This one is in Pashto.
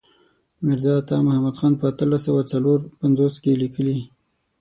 میرزا عطا محمد خان په اتلس سوه څلور پنځوس کې لیکلی.